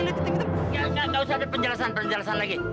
nggak usah ada penjelasan penjelasan lagi